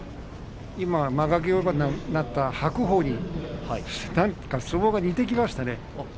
今、間垣親方になった白鵬になんか相撲が似てきましたね。